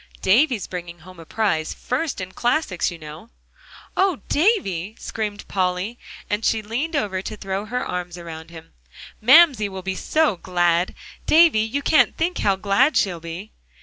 "Davie's bringing home a prize; first in classics, you know." "Oh, Davie!" screamed Polly, and she leaned over to throw her arms around him; "Mamsie will be so glad. Davie, you can't think how glad she'll be!"